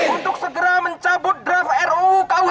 untuk segera mencabut draft ruu kuhp